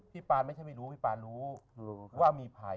ปานไม่ใช่ไม่รู้พี่ปานรู้ว่ามีภัย